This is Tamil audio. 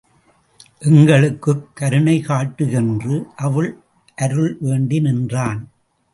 எங்களுக்குக் கருணை காட்டு என்று அவள் அருள் வேண்டி நின்றான்.